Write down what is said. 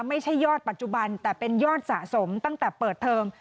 ไม่ใช่ยอดปัจจุบันแต่เป็นยอดสะสมตั้งแต่เปิดเทอม